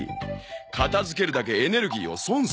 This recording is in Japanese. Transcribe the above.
片付けるだけエネルギーを損するだよ。